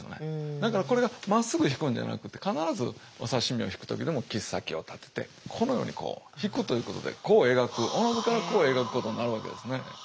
だからこれがまっすぐひくんじゃなくて必ずお刺身をひく時でも切っ先を立ててこのようにこうひくということで弧を描くおのずから弧を描くことになるわけですね。